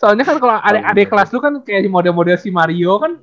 soalnya kan kalau adik adik kelas lu kan kayak di model model si mario kan